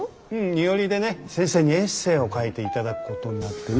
二折でね先生にエッセーを書いて頂くことになってね。